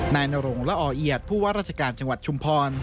นายนรงละอเอียดผู้ว่าราชการจังหวัดชุมพร